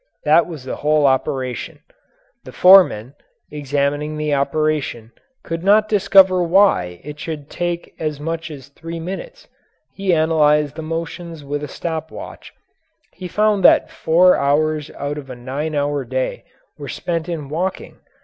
That was the whole operation. The foreman, examining the operation, could not discover why it should take as much as three minutes. He analyzed the motions with a stop watch. He found that four hours out of a nine hour day were spent in walking.